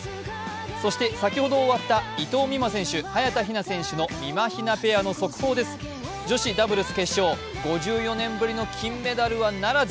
そして先ほど終わった伊藤美誠選手、早田ひな選手のみまひなペアの速報です、女子ダブルス決勝、５４年ぶりの金メダルはならず。